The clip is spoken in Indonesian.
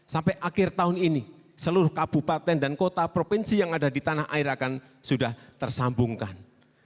sampai akhir tahun ini seluruh kabupaten dan kota provinsi yang ada di tanah air akan sudah tersambungkan